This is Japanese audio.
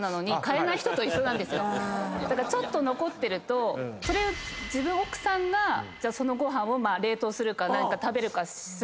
だからちょっと残ってるとそれ奥さんがそのご飯を冷凍するか食べるかする。